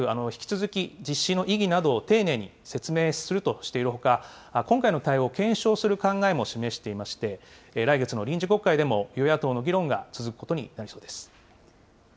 政府は引き続き、実施の意義などを丁寧に説明するとしているほか、今回の対応を検証する考えも示していまして、来月の臨時国会でも、与野党の議論が続くことになりそうです。